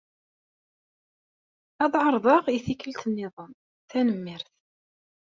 Ad ɛerḍeɣ i tikkelt-nniḍen, tanmirt.